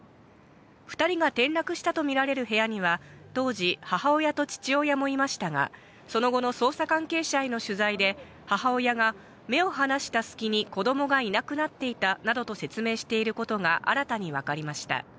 ２人が転落したとみられる部屋には、当時、母親と父親もいましたが、その後の捜査関係者への取材で母親が目を離した隙に子供がいなくなっていたなどと説明してることが新たに分かりました。